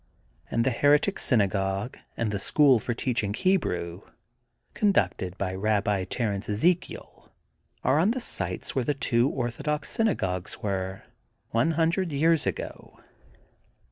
And the her etic synagogue and the school for teaching Hebrew, conducted by Babbi Terence Ezekiel, are on the sites where the two orthodox syna gogues were, one hundred years ago.